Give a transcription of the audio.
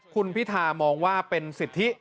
คุณพิธามองว่าเป็นสิทธิ